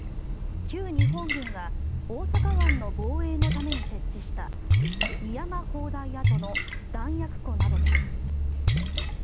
旧日本軍が大阪湾の防衛のために設置した深山砲台跡の弾薬庫などです。